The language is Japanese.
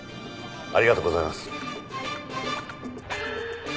ありがとうございます。